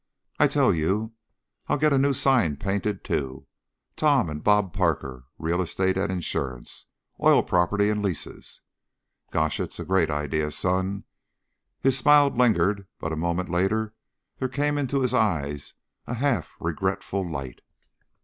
"I tell you! I'll get a new sign painted, too! 'Tom and Bob Parker. Real Estate and Insurance. Oil Prop'ties and Leases.' Gosh! It's a great idea, son!" His smile lingered, but a moment later there came into his eyes a half regretful light.